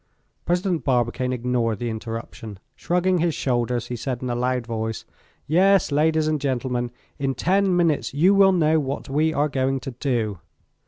President Barbicane ignored the interruption. Shrugging his shoulders, he said in a loud voice: "Yes, ladies and gentlemen, in ten minutes you will know what we are going to do."